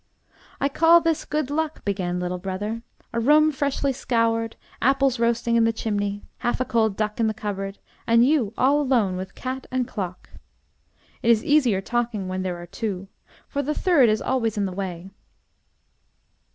"I call this good luck," began little brother: "a room freshly scoured, apples roasting in the chimney, half a cold duck in the cupboard; and you all alone with cat and clock. It is easier talking when there are two, for the third is always in the way."